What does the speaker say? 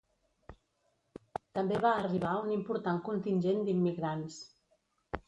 També va arribar un important contingent d’immigrants.